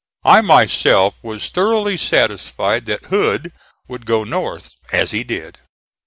I, myself, was thoroughly satisfied that Hood would go north, as he did.